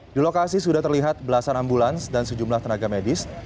di lokasi sudah terlihat belasan ambulans dan sejumlah tenaga medis